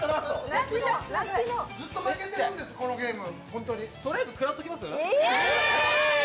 ずっと負けてるんです、このゲーム。